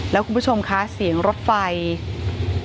แล้วคุณผู้ชมค่ะเสียงรถไฟการที่รถไฟวิ่งผ่านที่จุดเกิดเหตุ